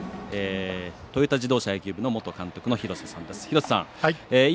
トヨタ自動車野球部の元監督の廣瀬さんです。